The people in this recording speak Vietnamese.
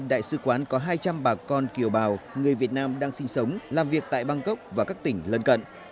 đại sứ quán có hai trăm linh bà con kiều bào người việt nam đang sinh sống làm việc tại bangkok và các tỉnh lân cận